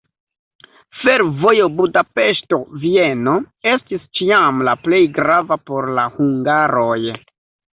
Fervojo Budapeŝto-Vieno estis ĉiam la plej grava por la hungaroj.